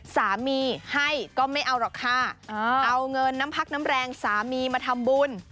สามีให้ก็ไม่เอาหรอกค่ะเอาเงินน้ำพักน้ำแรงสามีมาทำบุญ